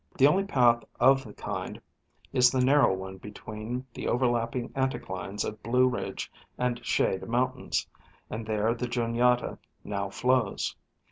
The only path of the kind is the narrow one between the overlapping anticlines of Blue Ridge and Shade mountains, and there the Juniata now flows.